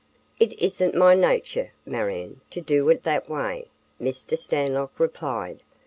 "It isn't my nature, Marion, to do it that way," Mr. Stanlock replied.